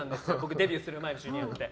デビューする前のＪｒ．って。